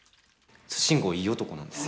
慎吾いい男なんです。